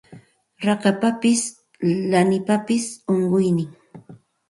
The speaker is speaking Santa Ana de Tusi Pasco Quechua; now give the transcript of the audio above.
Rakapapas lanipapas unquynin